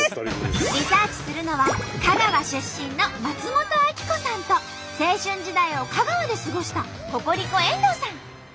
リサーチするのは香川出身の松本明子さんと青春時代を香川で過ごしたココリコ遠藤さん。